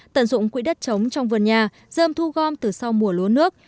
tận dụng quỹ đất trống trong vườn nhà dơm thu gom từ sau mùa lúa nước